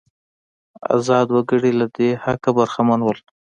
ازاد وګړي له دې حقه برخمن وو.